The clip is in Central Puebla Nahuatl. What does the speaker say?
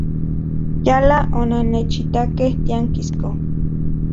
Yala onannechitakej tiankisko.